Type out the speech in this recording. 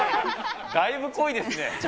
だいぶ濃いですね。